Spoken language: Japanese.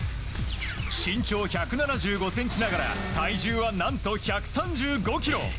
身長１７５ｃｍながら体重は何と１３５ｋｇ。